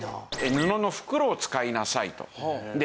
布の袋を使いなさいと。